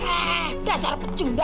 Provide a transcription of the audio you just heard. eh dasar pecunda